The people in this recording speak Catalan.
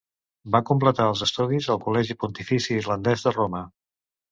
Va completar els estudis al Col·legi Pontifici Irlandès de Roma.